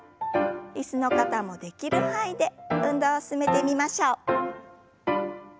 椅子の方もできる範囲で運動を進めてみましょう。